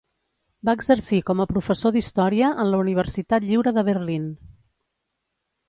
Va exercir com a professor d'història en la Universitat Lliure de Berlín.